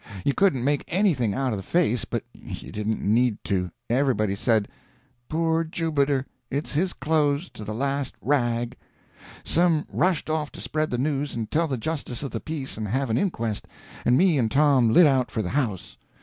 You couldn't make anything out of the face, but you didn't need to. Everybody said: "Poor Jubiter; it's his clothes, to the last rag!" Some rushed off to spread the news and tell the justice of the peace and have an inquest, and me and Tom lit out for the house.